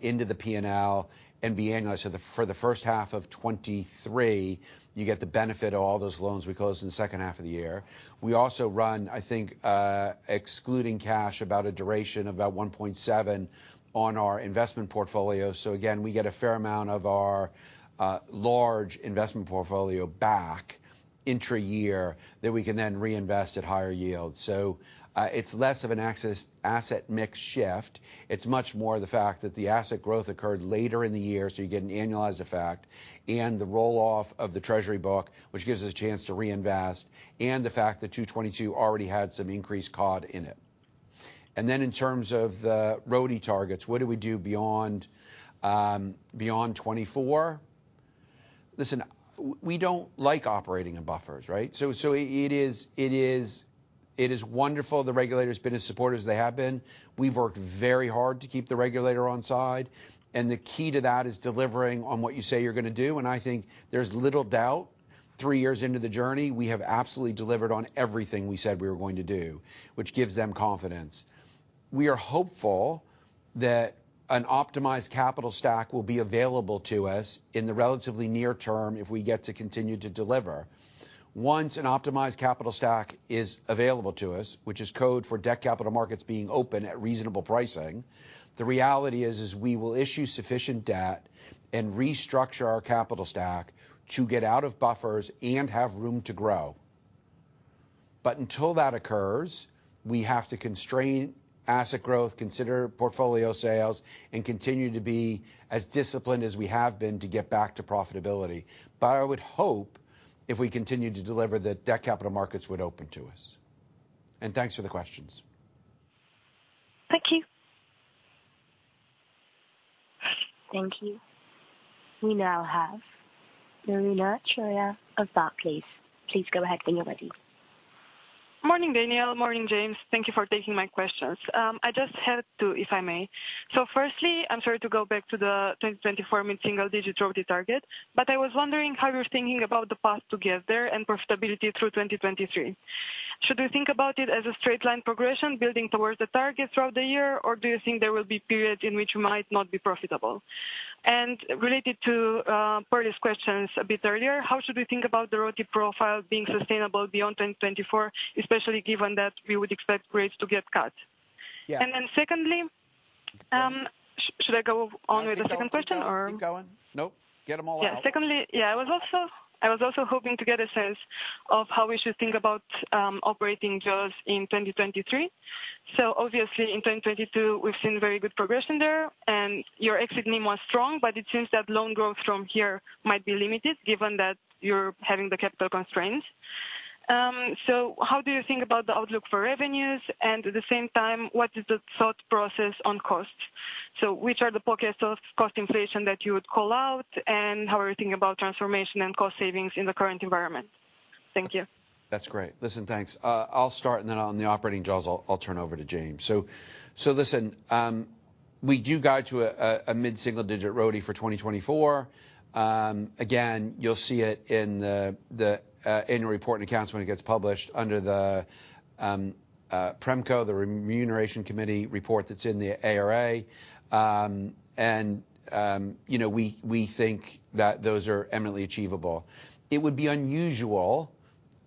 into the P&L and be annualized. For the H1 of 2023, you get the benefit of all those loans we closed in the H2 of the year. We also run, I think, excluding cash about a duration, about 1.7 on our investment portfolio. Again, we get a fair amount of our large investment portfolio back intra-year that we can then reinvest at higher yields. It's less of an asset mix shift. It's much more the fact that the asset growth occurred later in the year, so you get an annualized effect, and the roll-off of the treasury book, which gives us a chance to reinvest, and the fact the 2022 already had some increased COD in it. In terms of the RoTE targets, what do we do beyond 2024? Listen, we don't like operating in buffers, right? It is wonderful the regulator's been as supportive as they have been. We've worked very hard to keep the regulator on side, and the key to that is delivering on what you say you're gonna do. I think there's little doubt, three years into the journey, we have absolutely delivered on everything we said we were going to do, which gives them confidence. We are hopeful that an optimized capital stack will be available to us in the relatively near term if we get to continue to deliver. Once an optimized capital stack is available to us, which is code for debt capital markets being open at reasonable pricing, the reality is we will issue sufficient debt and restructure our capital stack to get out of buffers and have room to grow. Until that occurs, we have to constrain asset growth, consider portfolio sales, and continue to be as disciplined as we have been to get back to profitability. I would hope, if we continue to deliver, that debt capital markets would open to us. Thanks for the questions. Thank you. Thank you. We now have Marina Choya of Barclays. Please go ahead when you're ready. Morning, Daniel. Morning, James. Thank you for taking my questions. I just had to, if I may. Firstly, I'm sorry to go back to the 2024 mid-single digit RoTE target, but I was wondering how you're thinking about the path to get there and profitability through 2023. Should we think about it as a straight line progression building towards the target throughout the year? Or do you think there will be periods in which you might not be profitable? Related to previous questions a bit earlier, how should we think about the RoTE profile being sustainable beyond 2024, especially given that we would expect rates to get cut? Yeah. Secondly, should I go on with the second question? Keep going. Nope. Get them all out. Yeah. Secondly, yeah, I was also hoping to get a sense of how we should think about operating jaws in 2023. Obviously in 2022 we've seen very good progression there, and your exit NIM was strong, but it seems that loan growth from here might be limited given that you're having the capital constraints. How do you think about the outlook for revenues? At the same time, what is the thought process on costs? Which are the pockets of cost inflation that you would call out, and how are you thinking about transformation and cost savings in the current environment? Thank you. That's great. Listen, thanks. I'll start and then on the operating jaws I'll turn over to James. Listen, we do guide to a mid-single digit RoTE for 2024. Again, you'll see it in the annual report and accounts when it gets published under the RemCo, the remuneration committee report that's in the ARA. You know, we think that those are eminently achievable. It would be unusual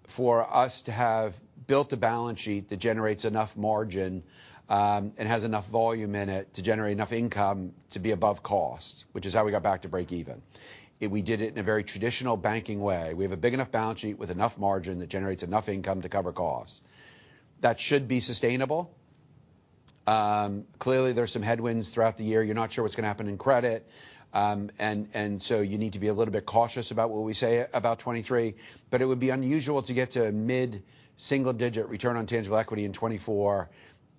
for us to have built a balance sheet that generates enough margin and has enough volume in it to generate enough income to be above cost, which is how we got back to break even. We did it in a very traditional banking way. We have a big enough balance sheet with enough margin that generates enough income to cover costs. That should be sustainable. Clearly there's some headwinds throughout the year. You're not sure what's gonna happen in credit. You need to be a little bit cautious about what we say about 2023, but it would be unusual to get to a mid-single digit return on tangible equity in 2024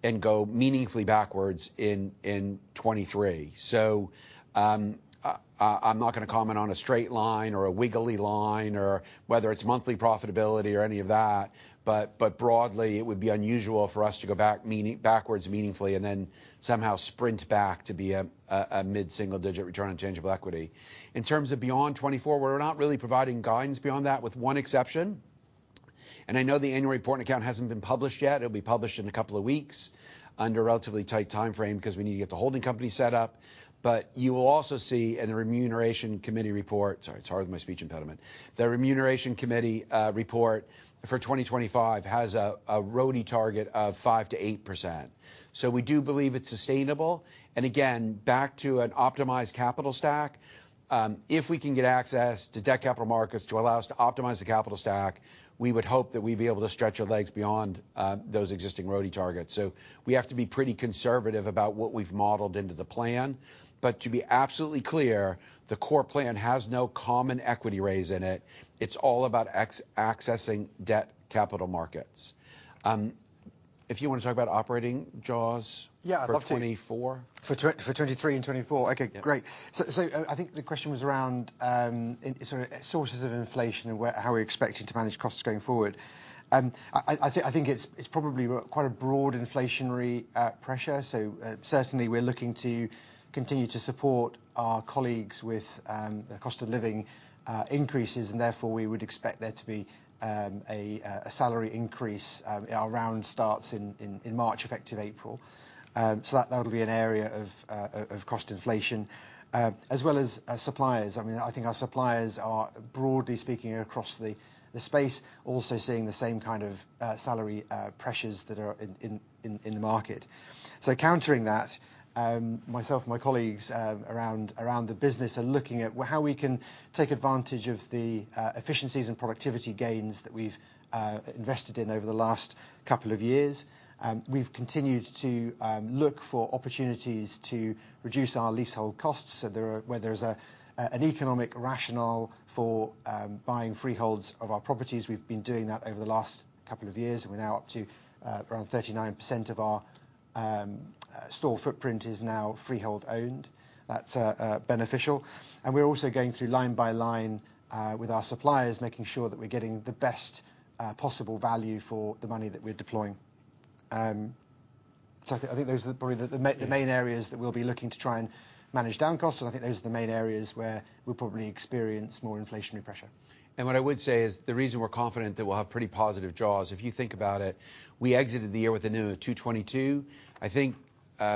and go meaningfully backwards in 2023. I'm not gonna comment on a straight line or a wiggly line, or whether it's monthly profitability or any of that, broadly it would be unusual for us to go back backwards meaningfully and then somehow sprint back to be a mid-single digit return on tangible equity. In terms of beyond 2024, we're not really providing guidance beyond that, with one exception. I know the annual report and account hasn't been published yet. It'll be published in a couple of weeks under a relatively tight timeframe because we need to get the holding company set up. You will also see in the Remuneration Committee report. Sorry, it's hard with my speech impediment. The Remuneration Committee report for 2025 has a RoTE target of 5%-8%. We do believe it's sustainable. Again, back to an optimized capital stack. If we can get access to debt capital markets to allow us to optimize the capital stack, we would hope that we'd be able to stretch our legs beyond those existing RoTE targets. We have to be pretty conservative about what we've modeled into the plan. To be absolutely clear, the core plan has no common equity raise in it. It's all about accessing debt capital markets. If you wanna talk about operating jaws? Yeah. I'd love to. For 2024. For 2023 and 2024. Okay, great. Yeah. I think the question was around sort of sources of inflation and how we're expecting to manage costs going forward. I think it's probably quite a broad inflationary pressure. Certainly we're looking to continue to support our colleagues with the cost of living increases, and therefore we would expect there to be a salary increase. Our round starts in March, effective April. That'll be an area of cost inflation as well as suppliers. I mean, I think our suppliers are, broadly speaking across the space, also seeing the same kind of salary pressures that are in the market. Countering that, myself and my colleagues around the business are looking at how we can take advantage of the efficiencies and productivity gains that we've invested in over the last couple of years. We've continued to look for opportunities to reduce our leasehold costs. Where there's an economic rationale for buying freeholds of our properties. We've been doing that over the last couple of years, and we're now up to around 39% of our store footprint is now freehold owned. That's beneficial. We're also going through line by line with our suppliers, making sure that we're getting the best possible value for the money that we're deploying. I think those are probably the main areas that we'll be looking to try and manage down costs, and I think those are the main areas where we'll probably experience more inflationary pressure. What I would say is the reason we're confident that we'll have pretty positive jaws, if you think about it, we exited the year with a NIM of 2.22%. I think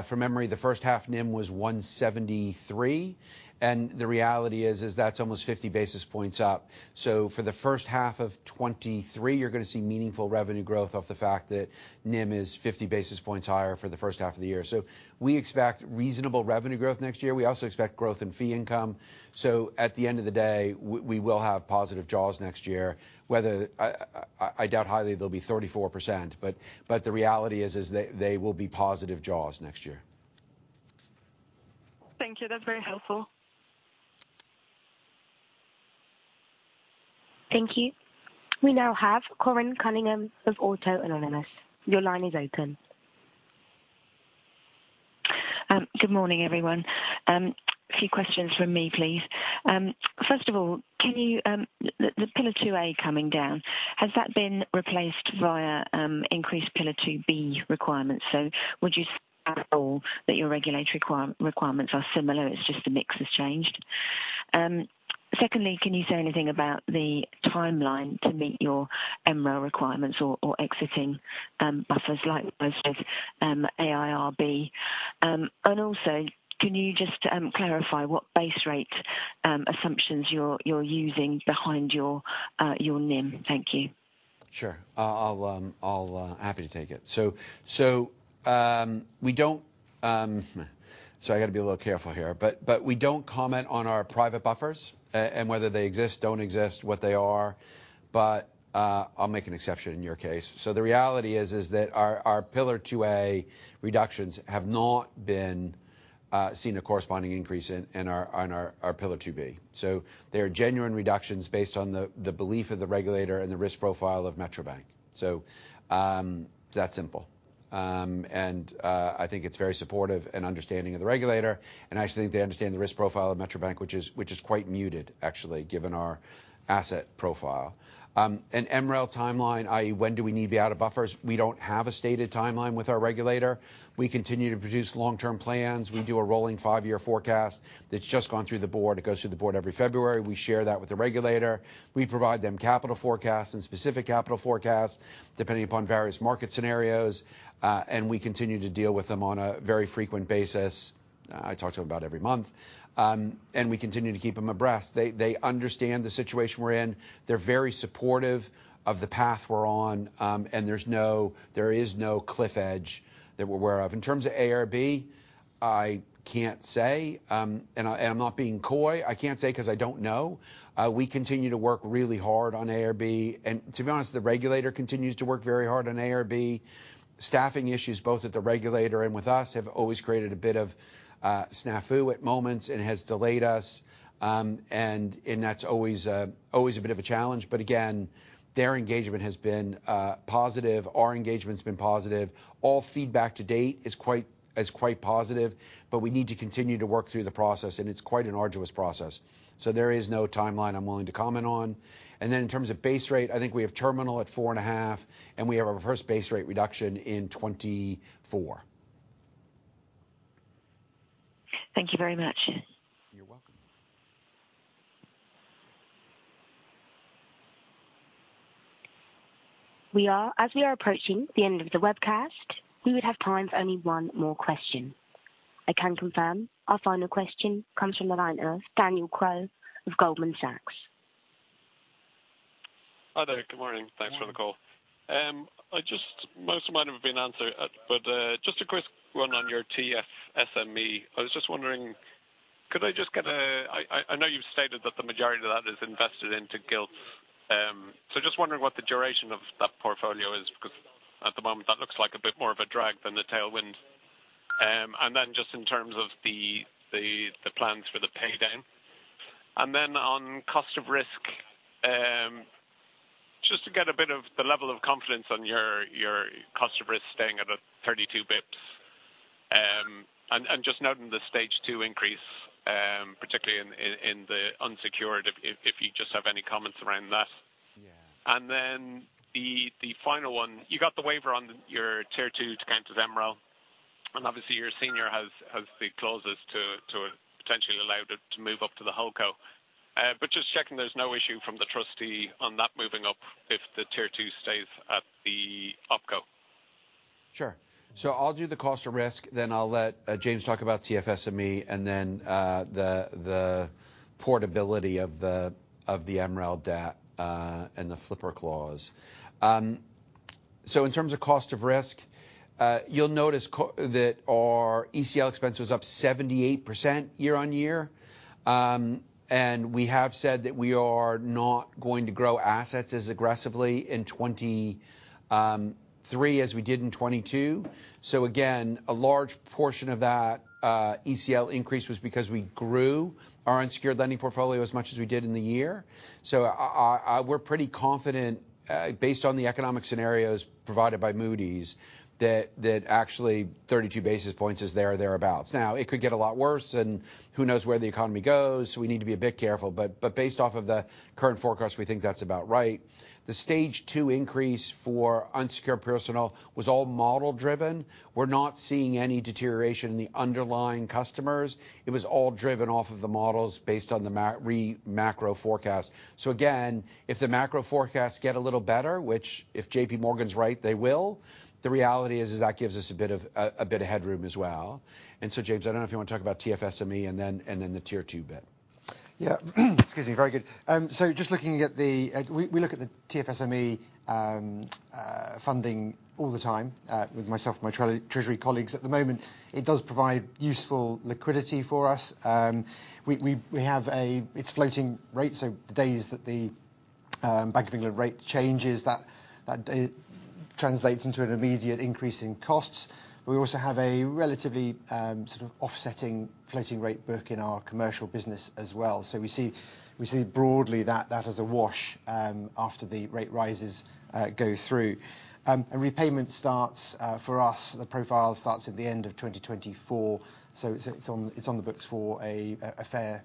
from memory, the H1 NIM was 1.73%. The reality is that's almost 50 basis points up. For the H1 of 2023 you're gonna see meaningful revenue growth off the fact that NIM is 50 basis points higher for the H1 of the year. We expect reasonable revenue growth next year. We also expect growth in fee income. At the end of the day, we will have positive jaws next year. I doubt highly they'll be 34%, but the reality is they will be positive jaws next year. Thank you. That's very helpful. Thank you. We now have Corinne Cunningham of Autonomous Research. Your line is open. Good morning, everyone. A few questions from me, please. First of all, can you, the Pillar 2A coming down, has that been replaced via increased Pillar 2B requirements? Would you say at all that your regulatory requirements are similar, it's just the mix has changed? Secondly, can you say anything about the timeline to meet your MREL requirements or exiting buffers like most of A-IRB. Also, can you just clarify what base rate assumptions you're using behind your NIM? Thank you. Sure. Happy to take it. I gotta be a little careful here, but we don't comment on our private buffers and whether they exist, don't exist, what they are. I'll make an exception in your case. The reality is that our Pillar 2A reductions have not been seen a corresponding increase in our Pillar 2B. They're genuine reductions based on the belief of the regulator and the risk profile of Metro Bank. It's that simple. I think it's very supportive in understanding of the regulator, and actually they understand the risk profile of Metro Bank, which is quite muted actually, given our asset profile. MREL timeline, i.e., when do we need to be out of buffers, we don't have a stated timeline with our regulator. We continue to produce long-term plans. We do a rolling five-year forecast that's just gone through the board. It goes through the board every February. We share that with the regulator. We provide them capital forecasts and specific capital forecasts depending upon various market scenarios, and we continue to deal with them on a very frequent basis. I talk to them about every month. We continue to keep them abreast. They understand the situation we're in. They're very supportive of the path we're on, and there's no, there is no cliff edge that we're aware of. In terms of A-IRB, I can't say, and I'm not being coy. I can't say 'cause I don't know. We continue to work really hard on A-IRB. To be honest, the regulator continues to work very hard on A-IRB. Staffing issues, both at the regulator and with us, have always created a bit of snafu at moments and has delayed us. That's always a bit of a challenge. Again, their engagement has been positive. Our engagement's been positive. All feedback to date is quite positive. We need to continue to work through the process, and it's quite an arduous process. There is no timeline I'm willing to comment on. In terms of base rate, I think we have terminal at 4.5, and we have a reverse base rate reduction in 2024. Thank you very much. You're welcome. As we are approaching the end of the webcast, we would have time for only one more question. I can confirm our final question comes from the line of Daniel Crowe of Goldman Sachs. Hi there. Good morning. Thanks for the call. Most of mine have been answered. Just a quick one on your TFSME. I was just wondering, could I just get a... I know you've stated that the majority of that is invested into gilts. Just wondering what the duration of that portfolio is, 'cause at the moment, that looks like a bit more of a drag than a tailwind. Then just in terms of the plans for the pay down. Then on cost of risk, just to get a bit of the level of confidence on your cost of risk staying at 32 basis points. Just noting the stage two increase, particularly in the unsecured, if you just have any comments around that. Yeah. The final one, you got the waiver on your Tier 2 to count as MREL, and obviously your senior has the clauses to potentially allow it to move up to the HoldCo. Just checking there's no issue from the trustee on that moving up if the Tier 2 stays at the OpCo. Sure. I'll do the cost of risk, then I'll let James talk about TFSME, and then the portability of the MREL debt and the flipper clause. In terms of cost of risk, you'll notice that our ECL expense was up 78% year-on-year. We have said that we are not going to grow assets as aggressively in 2023 as we did in 2022. Again, a large portion of that ECL increase was because we grew our unsecured lending portfolio as much as we did in the year. I, we're pretty confident, based on the economic scenarios provided by Moody's, that actually 32 basis points is there or thereabouts. It could get a lot worse, and who knows where the economy goes. We need to be a bit careful. Based off of the current forecast, we think that's about right. The stage two increase for unsecured personal was all model driven. We're not seeing any deterioration in the underlying customers. It was all driven off of the models based on the macro forecast. Again, if the macro forecasts get a little better, which if JP Morgan's right, they will, the reality is that gives us a bit of headroom as well. James, I don't know if you want to talk about TFSME and then the Tier 2 bit. Yeah. Excuse me. Very good. Just looking at the. We look at the TFSME funding all the time with myself and my treasury colleagues. At the moment it does provide useful liquidity for us. We have a. It's floating rate, so the days that the Bank of England rate changes, that translates into an immediate increase in costs. We also have a relatively offsetting floating rate book in our commercial business as well. We see broadly that that is a wash after the rate rises go through. A repayment starts for us, the profile starts at the end of 2024, so it's on the books for a fair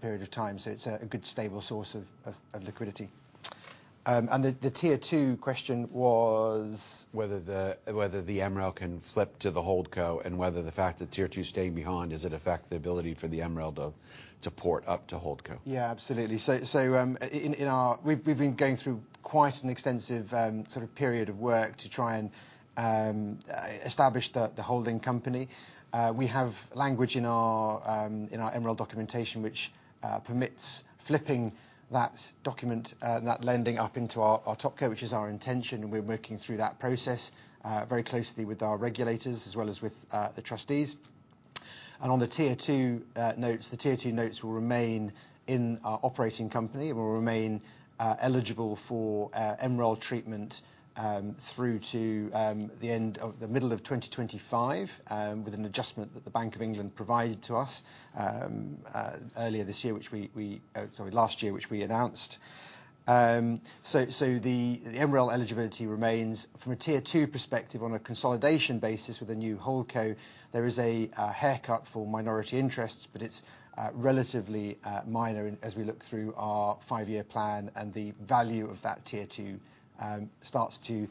period of time. It's a good stable source of liquidity. The Tier 2 question was? Whether the MREL can flip to the Holdco and whether the fact that Tier 2 is staying behind, does it affect the ability for the MREL to port up to Holdco. Yeah, absolutely. We've been going through quite an extensive period of work to try and establish the holding company. We have language in our MREL documentation which permits flipping that document, that lending up into our TopCo, which is our intention, and we're working through that process very closely with our regulators as well as with the trustees. On the Tier 2 notes, the Tier 2 notes will remain in our operating company. It will remain eligible for MREL treatment through to the end of the middle of 2025 with an adjustment that the Bank of England provided to us earlier this year, which we sorry, last year, which we announced. The MREL eligibility remains from a Tier 2 perspective on a consolidation basis with the new Holdco. There is a haircut for minority interests, but it's relatively minor as we look through our five-year plan and the value of that Tier Two starts to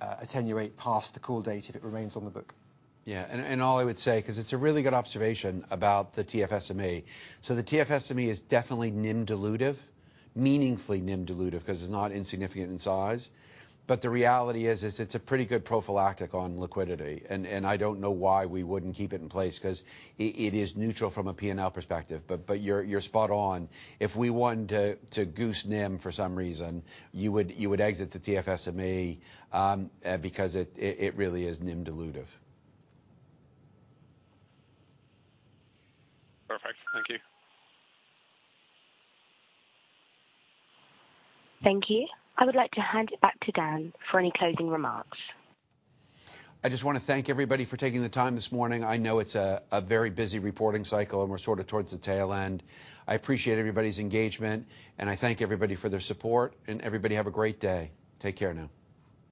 attenuate past the call date if it remains on the book. Yeah. All I would say, 'cause it's a really good observation about the TFSME. The TFSME is definitely NIM dilutive, meaningfully NIM dilutive, 'cause it's not insignificant in size. The reality is it's a pretty good prophylactic on liquidity and I don't know why we wouldn't keep it in place 'cause it is neutral from a P&L perspective. You're spot on. If we want to goose NIM for some reason, you would exit the TFSME, because it really is NIM dilutive. Perfect. Thank you. Thank you. I would like to hand it back to Dan for any closing remarks. I just wanna thank everybody for taking the time this morning. I know it's a very busy reporting cycle. We're sort of towards the tail end. I appreciate everybody's engagement. I thank everybody for their support. Everybody have a great day. Take care now.